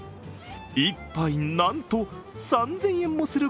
１杯なんと３０００円もする